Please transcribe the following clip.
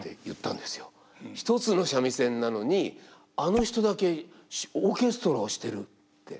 「１つの三味線なのにあの人だけオーケストラをしてる」って。